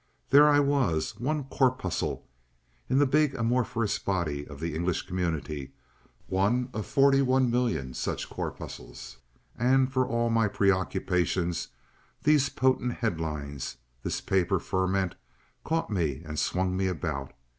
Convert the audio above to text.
There I was, one corpuscle in the big amorphous body of the English community, one of forty one million such corpuscles and, for all my preoccupations, these potent headlines, this paper ferment, caught me and swung me about.